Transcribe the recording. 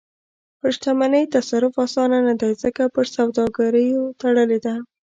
پر شتمنۍ تصرف اسانه نه دی، ځکه په سوداګریو تړلې ده.